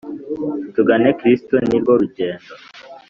tugane kristu ni rwo rugendo